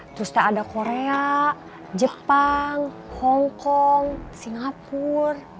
terus teh ada korea jepang hongkong singapur